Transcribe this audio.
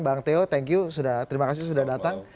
bang teo thank you terima kasih sudah datang